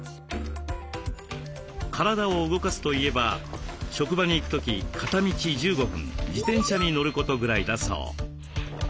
体を動かすといえば職場に行く時片道１５分自転車に乗ることぐらいだそう。